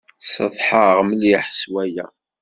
Ssetḥaɣ mliḥ s waya.